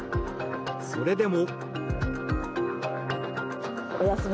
それでも。